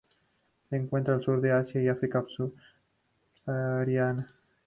Se encuentra en el Sur de Asia y África subsahariana.